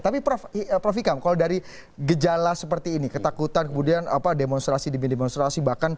tapi prof ikam kalau dari gejala seperti ini ketakutan kemudian demonstrasi demi demonstrasi bahkan